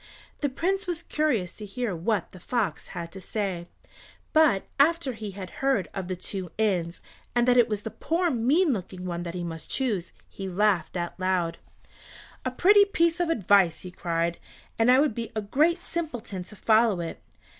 The Prince was curious to hear what the fox had to say, but after he had heard of the two inns, and that it was the poor mean looking one he must choose, he laughed aloud. "A pretty piece of advice," he cried, "and I would be a great simpleton to follow it."